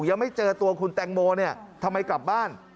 ยังไม่เจอตัวคุณแตงโมเนี่ยทำไมกลับบ้าน